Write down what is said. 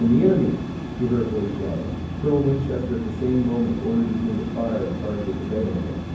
The enemy!" he heard a voice shout. Colonel Winchester at the same moment ordered his men to fire and charge with the bayonet.